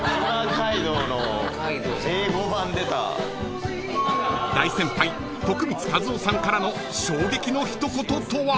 ［大先輩徳光和夫さんからの衝撃の一言とは］